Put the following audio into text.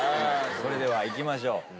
それではいきましょう。